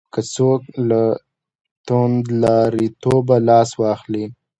که څوک له توندلاریتوبه لاس واخلي.